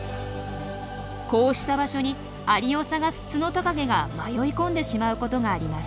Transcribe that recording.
こうした場所にアリを探すツノトカゲが迷い込んでしまうことがあります。